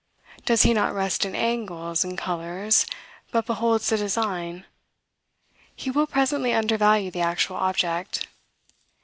Does he not rest in angles and colors, but beholds the design he will presently undervalue the actual object.